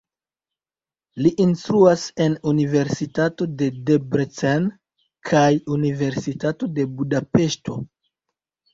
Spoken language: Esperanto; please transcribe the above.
Li instruas en universitato de Debrecen kaj Universitato de Budapeŝto.